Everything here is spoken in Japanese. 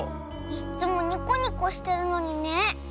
いっつもニコニコしてるのにね。